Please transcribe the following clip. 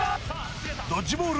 ドッジボール